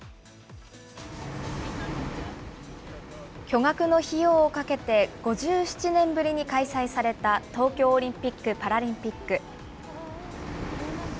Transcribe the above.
巨額の費用をかけて、５７年ぶりに開催された東京オリンピック・パラリンピック。